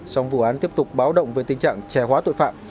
song vụ án tiếp tục báo động về tình trạng trẻ hóa tội phạm